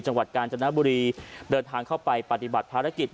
จังหวัดกาญจนบุรีเดินทางเข้าไปปฏิบัติภารกิจ